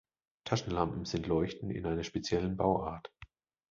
Taschenlampen sind Leuchten in einer speziellen Bauart.